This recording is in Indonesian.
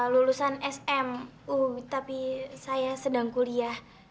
lulusan sm tapi saya sedang kuliah